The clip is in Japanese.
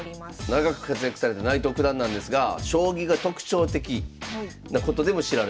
長く活躍された内藤九段なんですが将棋が特徴的なことでも知られてます。